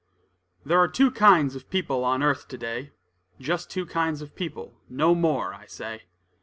THERE are two kinds of people on earth to day; Just two kinds of people, no more, I say.